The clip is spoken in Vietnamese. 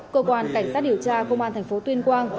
cơ quan cảnh sát điều tra công an thành phố tuyên quang